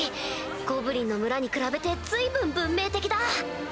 ゴブリンの村に比べて随分文明的だ！